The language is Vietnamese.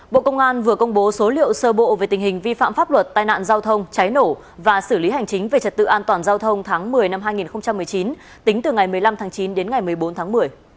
bộ công an vừa công bố số liệu sơ bộ về tình hình vi phạm pháp luật tai nạn giao thông cháy nổ và xử lý hành chính về trật tự an toàn giao thông tháng một mươi năm hai nghìn một mươi chín tính từ ngày một mươi năm tháng chín đến ngày một mươi bốn tháng một mươi